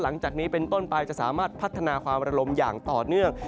หลังจากนี้เป็นต้นไปจะสามารถพัฒนาความระลมอย่างต่อเนื่อง